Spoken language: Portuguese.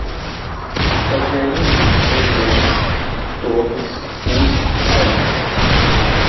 Fazemos jejuns todos os anos